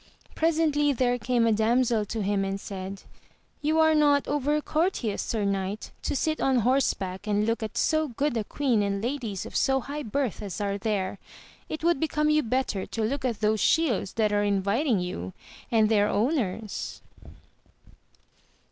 Presently there came a damsel to him and said. AMADIS OF GAUL S you are not over courteous sir knight, to sit on horse back and look at so good a queen and ladies of so high birth as are there; it would become you better to look at those shields that are inviting you, and their owners.